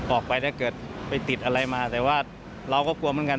ออกไปถ้าเกิดไปติดอะไรมาแต่ว่าเราก็กลัวเหมือนกัน